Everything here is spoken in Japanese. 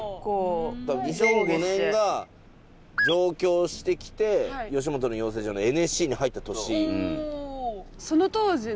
２００５年が上京して来て吉本の養成所のＮＳＣに入った年。